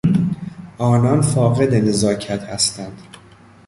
آنان فاقد نزاکت هستند.